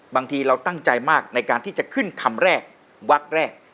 บางทีเราตั้งใจมากในการที่จะขึ้นคำแรกวักแรก